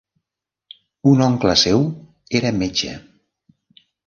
Un oncle seu era metge.